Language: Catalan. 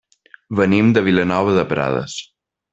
Venim de Vilanova de Prades.